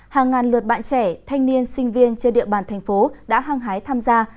hàng ngàn lượt bạn trẻ thanh niên sinh viên trên địa bàn thành phố đã hăng hái tham gia